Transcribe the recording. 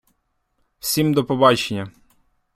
Всім до побачення!